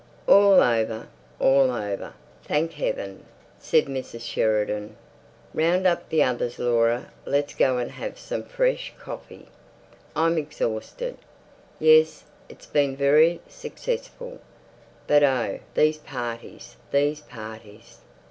"All over, all over, thank heaven," said Mrs. Sheridan. "Round up the others, Laura. Let's go and have some fresh coffee. I'm exhausted. Yes, it's been very successful. But oh, these parties, these parties!